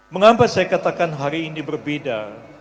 mengapa saya katakan hari ini berbeda